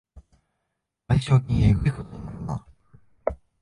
賠償金えぐいことになるな